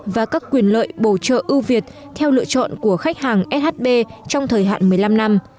và các quyền lợi bổ trợ ưu việt theo lựa chọn của khách hàng shb trong thời hạn một mươi năm năm